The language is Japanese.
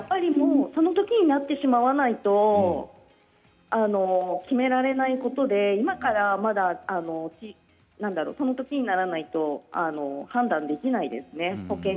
そのときになってしまわないと決められないことで今から、そのときにならないと判断できないですね。